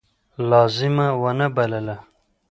لازمه ونه بلله.